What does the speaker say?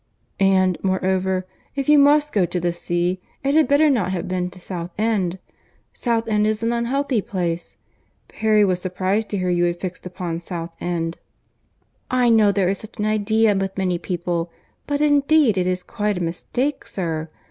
"And, moreover, if you must go to the sea, it had better not have been to South End. South End is an unhealthy place. Perry was surprized to hear you had fixed upon South End." "I know there is such an idea with many people, but indeed it is quite a mistake, sir.